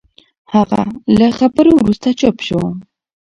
هغه له خبرو وروسته چوپ شو.